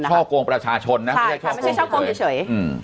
ใช่ค่ะไม่ใช่ช่อกงเฉย